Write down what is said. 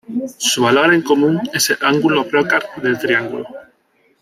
Su valor en común es el ángulo Brocard del triángulo.